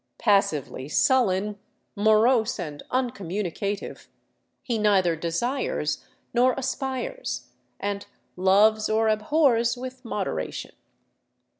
Passively sullen, morose, and uncommunicative, he neither de sires nor aspires, and loves or abhors with moderation.